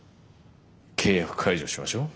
契約解除しましょう。